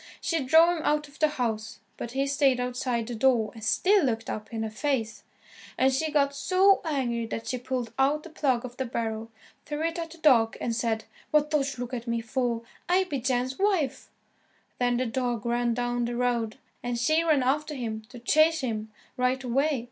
She drove him out of the house, but he stayed outside the door and still looked up in her face. And she got so angry that she pulled out the plug of the barrel, threw it at the dog, and said, "What dost look at me for? I be Jan's wife." Then the dog ran down the road, and she ran after him to chase him right away.